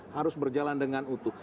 harus berjalan dengan utuh